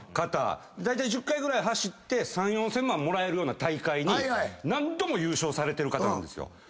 だいたい１０回ぐらい走って３，０００４，０００万もらえる大会に何度も優勝されてる方なんですよ。